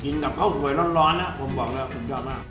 กินกับข้าวสวยร้อนผมบอกเลยว่าสุดยอดมาก